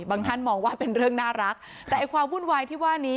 ท่านมองว่าเป็นเรื่องน่ารักแต่ไอ้ความวุ่นวายที่ว่านี้